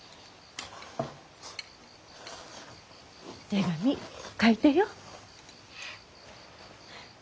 手紙書いてよ。